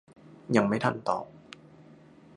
ยังไม่ทันตอบ